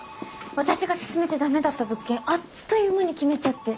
私が勧めてダメだった物件あっという間に決めちゃって。